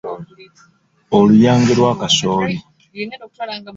Oluyange lwa kasooli.